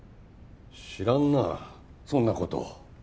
知らんなそんな事。